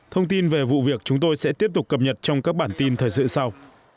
thông tin về vụ việc chúng tôi sẽ tiếp tục cập nhật trong các bản tin thời sự sau